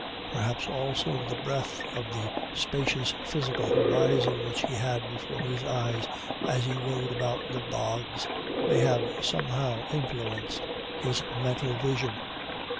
Perhaps, also, the breadth of the spacious physical horizon which he had before his eyes as he rode about the bogs, may have somehow influ enced his mental vision.